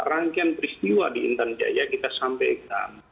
rangkaian peristiwa di intan jaya kita sampaikan